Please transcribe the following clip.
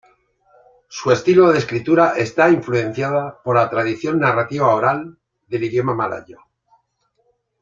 Su estilo de escritura está influenciada por la tradición narrativa oral del idioma malayo.